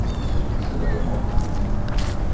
صدای مبهم